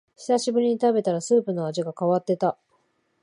久しぶりに食べたらスープの味が変わってた